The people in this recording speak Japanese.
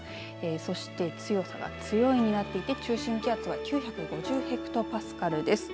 そして強さが強いになっていて中心気圧は９５０ヘクトパスカルです。